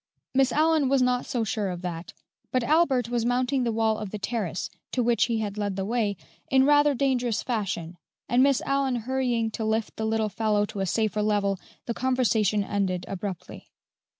Miss Allyn was not so sure of that; but Albert was mounting the wall of the terrace, to which he had led the way, in rather dangerous fashion, and Miss Allyn hurrying to lift the little fellow to a safer level, the conversation ended abruptly.